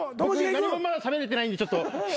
何もまだしゃべれてないんで。